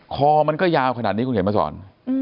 คอมันก็ยาวขนาดนี้คุณเขียนมาสอน